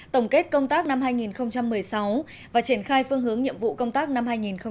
tổng kết công tác năm hai nghìn một mươi sáu và triển khai phương hướng nhiệm vụ công tác năm hai nghìn hai mươi